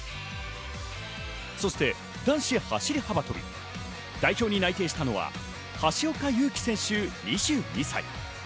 そして、男子走幅跳代表に内定したのは橋岡優輝選手、２２歳。